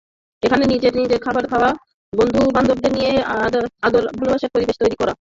এখানে নিজেই নিজের খাবার খাওয়া, বন্ধুবান্ধবদের নিয়েই আদর-ভালোবাসার পরিবেশ তৈরি করা।